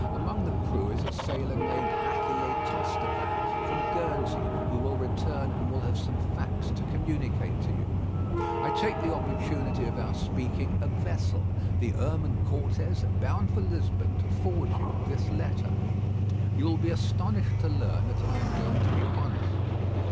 Among the crew is a sailor named Ahier Tostevin, from Guernsey, who will return and will have some facts to communicate to you. I take the opportunity of our speaking a vessel, the Herman Cortes, bound for Lisbon, to forward you this letter. "You will be astonished to learn that I am going to be honest.